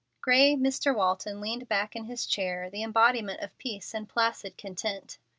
Gray Mr. Walton leaned back in his chair, the embodiment of peace and placid content.